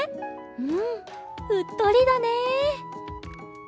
うんうっとりだね。